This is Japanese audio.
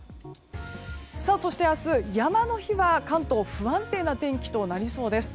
そして明日、山の日は関東不安定な天気となりそうです。